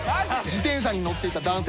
自転車に乗っていた男性